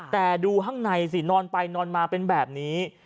แต่ดูข้างในสินอนไปนอนมาเป็นแบบนี้